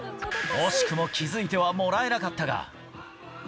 惜しくも気付いてはもらえなかったが。